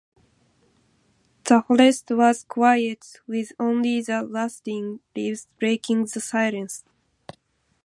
The forest was quiet, with only the rustling leaves breaking the silence.